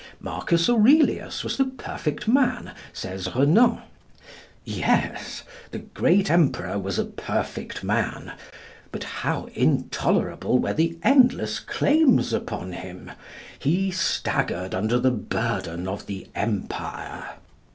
Marcus Aurelius was the perfect man, says Renan. Yes; the great emperor was a perfect man. But how intolerable were the endless claims upon him! He staggered under the burden of the empire.